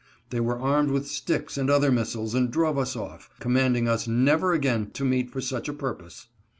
They were armed with sticks and other missiles and drove us off, commanding us never again to meet for such a purpose.